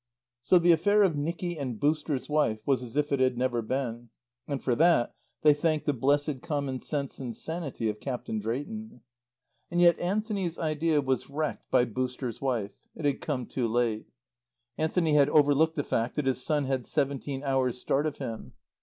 So the affair of Nicky and "Booster's" wife was as if it had never been. And for that they thanked the blessed common sense and sanity of Captain Drayton. And yet Anthony's idea was wrecked by "Booster's" wife. It had come too late. Anthony had overlooked the fact that his son had seventeen hours' start of him.